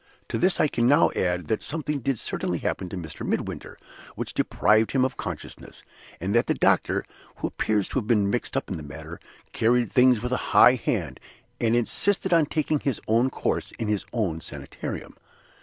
To this I can now add that something did certainly happen to Mr. Midwinter, which deprived him of consciousness; and that the doctor, who appears to have been mixed up in the matter, carried things with a high hand, and insisted on taking his own course in his own Sanitarium.